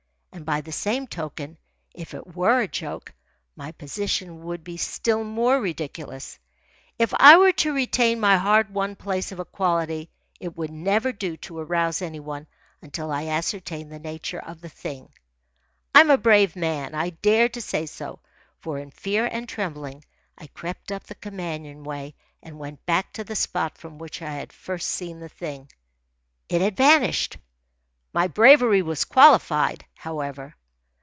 And by the same token, if it were a joke, my position would be still more ridiculous. If I were to retain my hard won place of equality, it would never do to arouse any one until I ascertained the nature of the thing. I am a brave man. I dare to say so; for in fear and trembling I crept up the companion way and went back to the spot from which I had first seen the thing. It had vanished. My bravery was qualified, however.